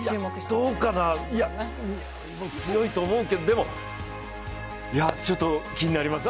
どうかな、強いと思うけどでも、気になります。